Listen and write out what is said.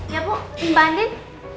ya bu tim bandin